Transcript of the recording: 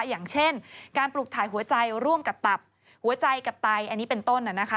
อย่างเช่นการปลูกถ่ายหัวใจร่วมกับตับหัวใจกับไตอันนี้เป็นต้น